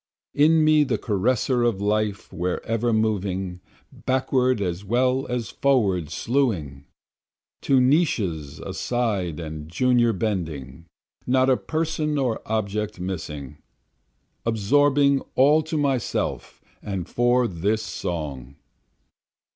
In me the caresser of life wherever moving, backward as well as forward sluing, To niches aside and junior bending, not a person or object missing, Absorbing all to myself and for this song.